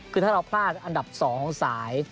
คือถ้าเราพลาดอันดับ๒ของสาย